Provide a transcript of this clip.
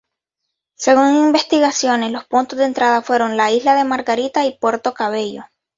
Según investigaciones, los puntos de entrada fueron la Isla de Margarita y Puerto Cabello.